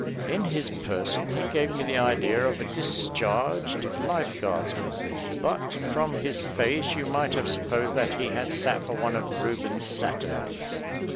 In his person he gave me the idea of a discharged life guardsman; but from his face you might have supposed that he had sat for one of Rubens' Satyrs.